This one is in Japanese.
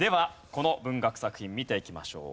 この文学作品見ていきましょう。